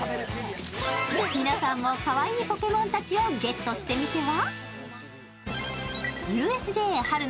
皆さんもかわいいポケモンたちをゲットしてみては？